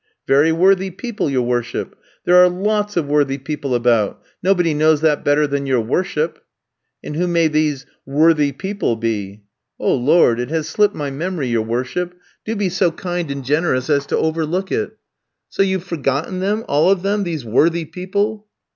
"'Very worthy people, your worship. There are lots of worthy people about; nobody knows that better than your worship.' "'And who may these "worthy people" be?' "'Oh, Lord, it has slipped my memory, your worship. Do be so kind and gracious as to overlook it.' "'So you've forgotten them, all of them, these "worthy people"?'